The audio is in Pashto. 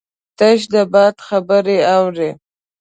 تش د باد خبرې اوري